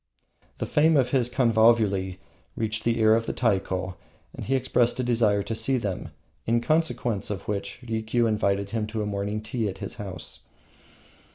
The fame of his convulvuli reached the ear of the Taiko, and he expressed a desire to see them, in consequence of which Rikiu invited him to a morning tea at his house.